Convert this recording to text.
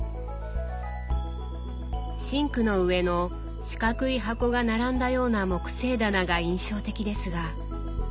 シンクの上の四角い箱が並んだような木製棚が印象的ですが。